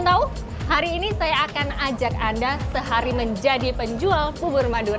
tahu hari ini saya akan ajak anda sehari menjadi penjual bubur madura